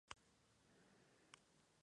Un sobre contiene dos veces más que el otro.